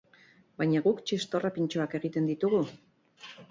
Baina guk txistorra pintxoak egiten ditugu?